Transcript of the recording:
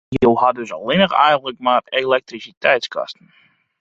Jo ha dus eigenlik allinne mar elektrisiteitskosten.